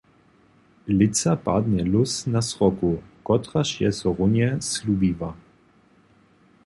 Lětsa padnje lós na sroku, kotraž je so runje slubiła.